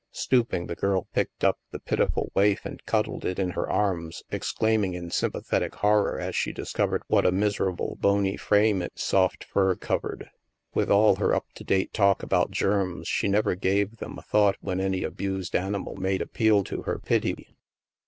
Stooping, the girl picked up the piti ful waif and cuddled it in her arms, exclaiming in sympathetic horror as she discovered what a miser able bony frame its soft fur covered. With all her up to date talk about germs, she never gave them a STILL WATERS ii thought when any abused animal made appeal to her pity.